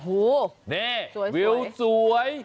หูสวยนี่วิวสวย